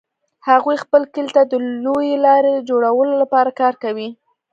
هغوی خپل کلي ته د لویې لارې جوړولو لپاره کار کوي